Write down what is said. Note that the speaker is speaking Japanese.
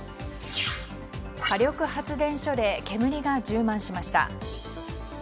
火力発電所で煙が充満しました。